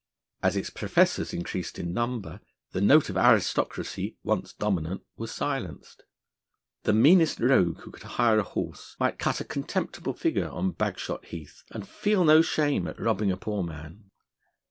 As its professors increased in number, the note of aristocracy, once dominant, was silenced. The meanest rogue, who could hire a horse, might cut a contemptible figure on Bagshot Heath, and feel no shame at robbing a poor man.